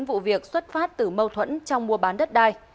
vụ việc xuất phát từ mâu thuẫn trong mua bán đất đai